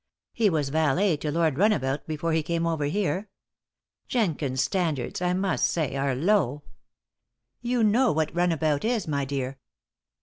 He was valet to Lord Runabout before he came over here. Jenkins's standards, I must say, are low. You know what Runabout is, my dear.